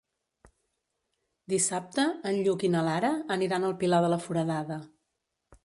Dissabte en Lluc i na Lara aniran al Pilar de la Foradada.